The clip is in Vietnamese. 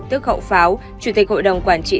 tức hậu pháo chủ tịch hội đồng quản trị